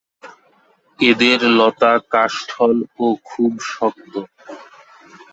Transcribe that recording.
এদের লতা কাষ্ঠল ও খুব শক্ত।